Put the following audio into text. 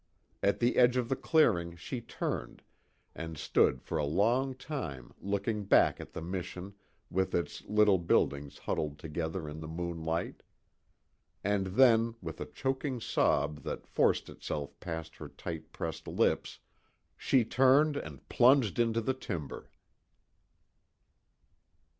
At the edge of the clearing she turned, and stood for a long time looking back at the mission with its little buildings huddled together in the moonlight. And then, with a choking sob that forced itself past her tight pressed lips, she turned and plunged into the timber.